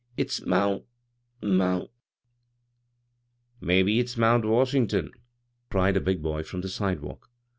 " It's Mount —Mount "" Mebbe iVs Mount Washin'ton," cried a bigf boy from the sidewalk.